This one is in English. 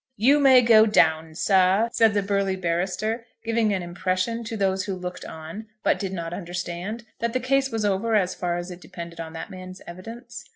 "You may go down, sir," said the burly barrister, giving an impression to those who looked on, but did not understand, that the case was over as far as it depended on that man's evidence.